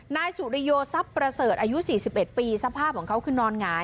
นายสุริโยทรัพย์ประเสริฐอายุ๔๑ปีสภาพของเขาคือนอนหงาย